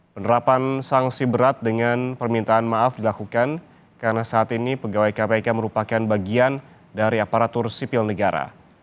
penerapan sanksi berat dengan permintaan maaf dilakukan karena saat ini pegawai kpk merupakan bagian dari aparatur sipil negara